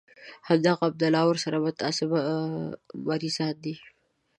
همدغه عبدالله او ورسره متعصب مريضان دي.